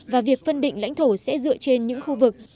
và việc phân định lãnh thổ sẽ dựa trên những khu vực